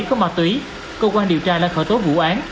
có ma túy cơ quan điều tra đã khởi tố vụ án